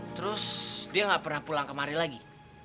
terus dia nggak pernah pulang kemari lagi